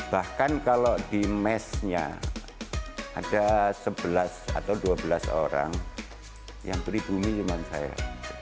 bahkan kalau di mesnya ada sebelas atau dua belas orang yang beribumi cuma saya